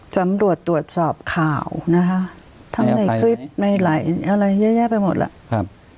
จำรวจตรวจสอบข่าวนะฮะทั้งในคลิปในไลน์อะไรแย่ไปหมดแล้ว